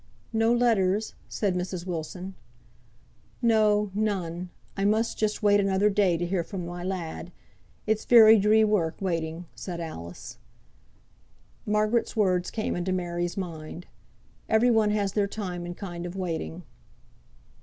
"No letters!" said Mrs. Wilson. "No, none! I must just wait another day to hear fra my lad. It's very dree work, waiting!" said Alice. Margaret's words came into Mary's mind. Every one has their time and kind of waiting.